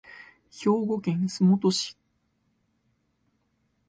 兵庫県洲本市